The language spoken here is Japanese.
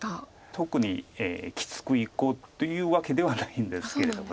特にきつくいこうというわけではないんですけれども。